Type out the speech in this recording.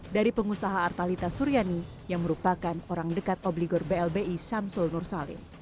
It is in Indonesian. dari pengusaha artalita suryani yang merupakan orang dekat obligor blbi samsul nur salim